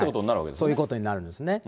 そういうことになるんですね。